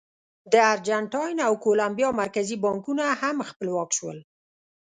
د ارجنټاین او کولمبیا مرکزي بانکونه هم خپلواک شول.